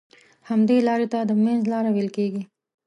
همدې لارې ته د منځ لاره ويل کېږي.